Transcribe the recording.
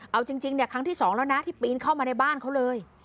เอาจริงเนี่ยครั้งที่๒แล้วนะที่ปีนเข้ามาในบ้านเขาเลย